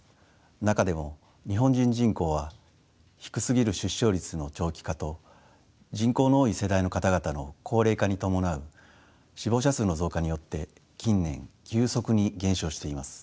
中でも日本人人口は低すぎる出生率の長期化と人口の多い世代の方々の高齢化に伴う死亡者数の増加によって近年急速に減少しています。